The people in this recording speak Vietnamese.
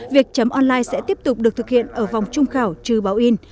việc chấm online sẽ tiếp tục được thực hiện ở vòng trung khảo trừ báo in